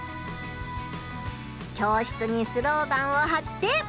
教室にスローガンをはって。